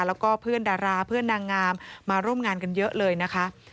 แล้วก็เพื่อนดาราเพื่อนนางงามมาร่วมงานกันเยอะเลยนะคะ